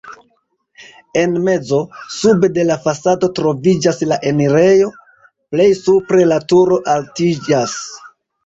En mezo, sube de la fasado troviĝas la enirejo, plej supre la turo altiĝas.